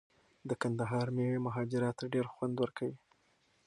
د کندهار میوې مهاراجا ته ډیر خوند ورکوي.